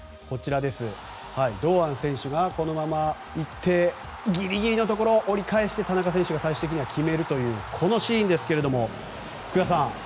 堂安選手がこのまま行ってギリギリのところで折り返して田中選手が最終的に決めるというこのシーンですけど福田さん